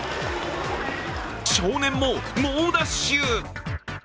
少年も猛ダッシュ。